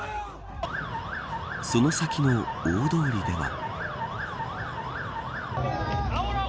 その先の大通りでは。